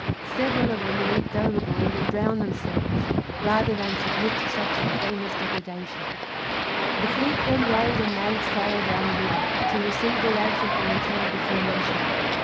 Several of them leaped overboard and drowned themselves, rather than submit to such infamous degradation. The fleet then weighed and made sail down the river, to receive the ransom from the town before mentioned.